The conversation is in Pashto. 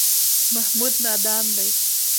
محمود نادان دی.